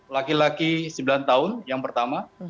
laki laki sembilan tahun yang pertama